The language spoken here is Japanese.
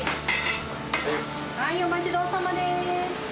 はい、お待ちどおさまです。